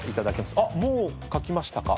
あっもう書きましたか。